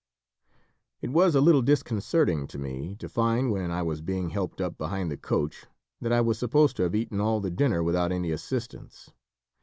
It was a little disconcerting to me, to find, when I was being helped up behind the coach, that I was supposed to have eaten all the dinner without any assistance.